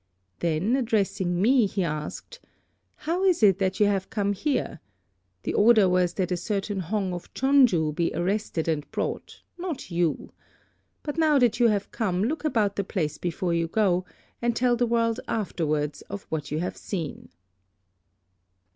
Then addressing me he asked, 'How is it that you have come here? The order was that a certain Hong of Chon ju be arrested and brought, not you; but now that you have come, look about the place before you go, and tell the world afterwards of what you have seen.'